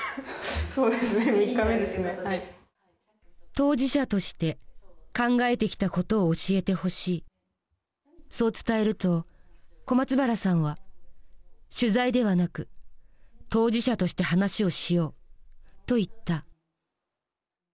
当事者として考えてきたことを教えてほしいそう伝えると小松原さんは「取材ではなく当事者として話をしよう」と言った。